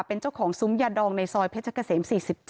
เป็นเจ้าของซุ้มยาดองในซอยเพชรเกษม๔๗